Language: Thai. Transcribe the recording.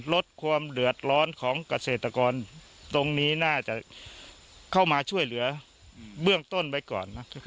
ลดความเดือดร้อนของเกษตรกรตรงนี้น่าจะเข้ามาช่วยเหลือเบื้องต้นไว้ก่อนนะ